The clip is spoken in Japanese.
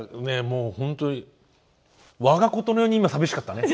もう本当に我がことのように今寂しかったね。